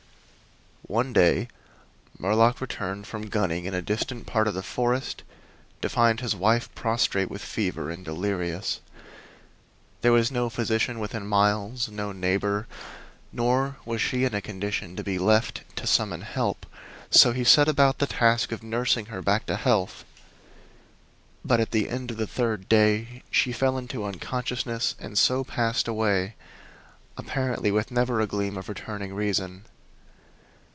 One day Murlock returned from gunning in a distant part of the forest to find his wife prostrate with fever, and delirious. There was no physician within miles, no neighbor; nor was she in a condition to be left, to summon help. So he set about the task of nursing her back to health, but at the end of the third day she fell into unconsciousness and so passed away, apparently, with never a gleam of returning reason.